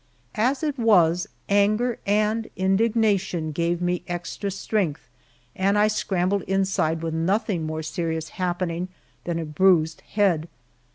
As it was, anger and indignation gave me extra strength and I scrambled inside with nothing more serious happening than a bruised head.